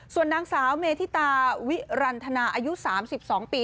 ส่วนนางสาวเมธิตาวิรันทนาอายุ๓๒ปี